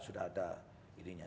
sudah ada ininya